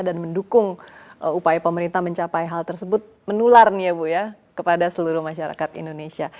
dan mendukung upaya pemerintah mencapai hal tersebut menular nih ya bu ya kepada seluruh masyarakat indonesia